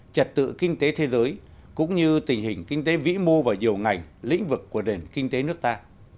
trật tự kinh tế thế giới cũng như tình hình kinh tế vĩ mô và nhiều ngành lĩnh vực của nền kinh tế nước ta